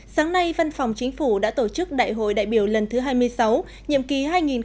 sáng nay văn phòng chính phủ đã tổ chức đại hội đại biểu lần thứ hai mươi sáu nhiệm kỳ hai nghìn hai mươi hai nghìn hai mươi năm